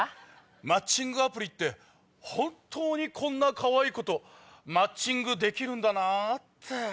マッチングアプリって本当にこんなかわいい子とマッチングできるんだなって。